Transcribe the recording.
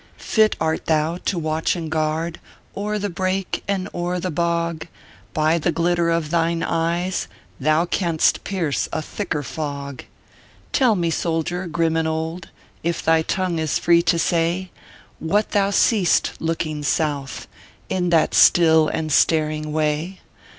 186 ORPHEUS C. KERR PAPERS. Fit art thou to watch and guard O er the brake and o er the bog; By the glitter of thine eyes Thou canst pierce a thicker fog. Tell me, soldier, grim and old, If thy tongue is free to say, What thou seest looking South, In that still and staring way?